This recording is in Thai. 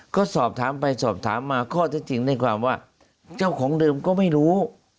ก็สอบถามไปสอบถามมาข้อเท็จจริงในความว่าเจ้าของเดิมก็ไม่รู้